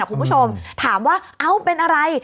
คุณผู้ชมถามว่าเอ้าเป็นอะไร